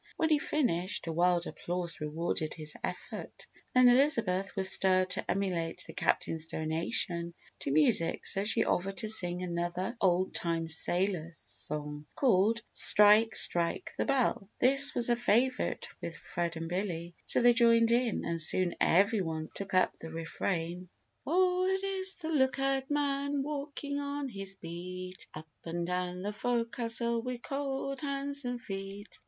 When he finished, a wild applause rewarded his effort. Then Elizabeth was stirred to emulate the Captain's donation to music so she offered to sing another old time sailors' song called "Strike, Strike the Bell." This was a favourite with Fred and Billy so they joined in and soon every one took up the refrain: STRIKE, STRIKE THE BELL! Forward is the lookout man walking on his beat Up and down the fo'castle with cold hands and feet.